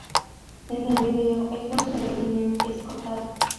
En el video, el verso de Eminem es cortado.